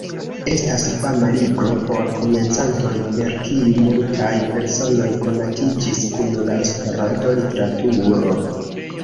Estas fama libro por komencantoj per kiu multaj personoj konatiĝis kun la Esperanto-literaturo.